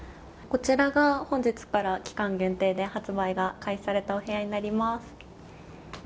こちらが本日から期間限定で発売が開始されたお部屋になります。